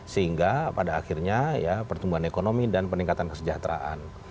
sehingga pada akhirnya ya pertumbuhan ekonomi dan peningkatan kesejahteraan